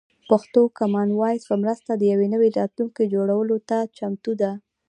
پښتو د کامن وایس په مرسته د یو نوي راتلونکي جوړولو ته چمتو ده.